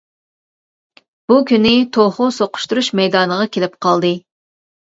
بۇ كۈنى توخۇ سوقۇشتۇرۇش مەيدانىغا كېلىپ قالدى.